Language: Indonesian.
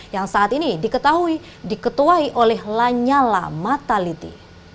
yang saat ini diketahui diketuai oleh lanyala mataliti